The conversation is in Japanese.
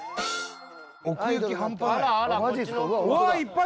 奥行き半端ない。